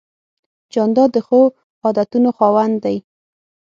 جانداد د ښو عادتونو خاوند دی.